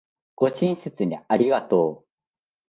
ご親切にありがとう